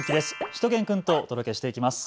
しゅと犬くんとお届けしていきます。